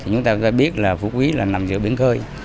chúng ta có biết là phú quý là nằm giữa biển khơi